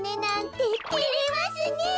てれますねえ。